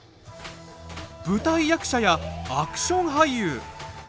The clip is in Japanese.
舞台役者やアクション俳優！